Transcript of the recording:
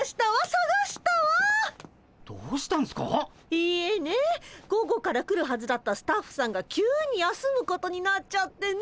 いえね午後から来るはずだったスタッフさんが急に休むことになっちゃってね。